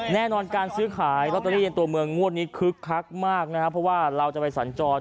แน่นอนการซื้อขายลอตเตอรี่ในตัวเมืองงวดนี้คึกคักมากนะครับเพราะว่าเราจะไปสัญจร